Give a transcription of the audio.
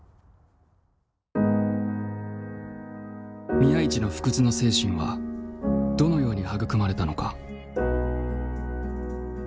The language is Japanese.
宮市の不屈の精神はどのように育まれたのか。